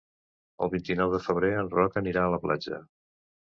El vint-i-nou de febrer en Roc anirà a la platja.